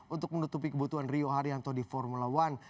untuk menutupi kebutuhan rio haryanto di formula one